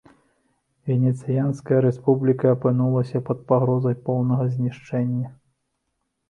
Венецыянская рэспубліка апынулася пад пагрозай поўнага знішчэння.